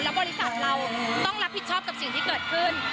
บริษัทเราต้องรับผิดชอบกับสิ่งที่เกิดขึ้น